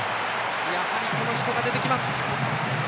やはりこの人が出てきます。